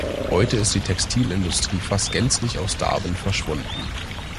Heute ist die Textilindustrie fast gänzlich aus Darwen verschwunden.